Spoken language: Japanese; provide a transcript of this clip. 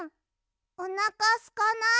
おなかすかない？